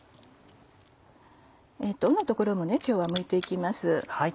尾の所も今日はむいていきます。